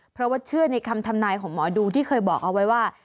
เพราะว่าเชื่อในคำทำนายของหมอดูที่เคยบอกเอาไว้ว่า